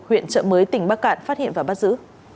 huyện trợ mới tỉnh bắc cạn phát hiện và bắt giữ